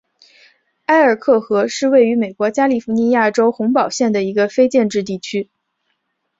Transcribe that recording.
埃尔克河是位于美国加利福尼亚州洪堡县的一个非建制地区。